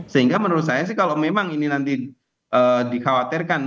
sehingga menurut saya sih kalau memang ini nanti dikhawatirkan